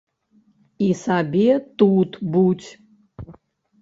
І сабе тут будзь.